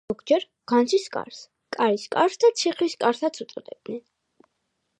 ამ კარს ზოგჯერ განძის კარს, კარის კარს და ციხის კარსაც უწოდებდნენ.